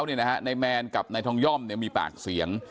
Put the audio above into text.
นายแมนกับนายทองย่อมมีปากเสียง